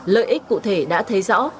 lợi ích cụ thể đã thấy rõ